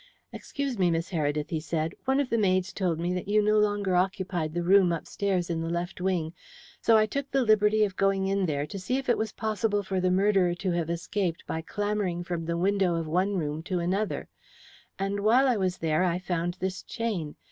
"Excuse me, Miss Heredith," he said. "One of the maids told me that you no longer occupied the room upstairs in the left wing, so I took the liberty of going in there to see if it was possible for the murderer to have escaped by clambering from the window of one room to another, and while I was there I found this chain.